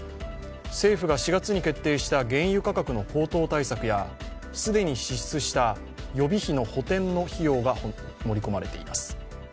政府が４月に決定した原油価格の高騰対策や既に支出した予備費の補填の費用が盛り込まれています。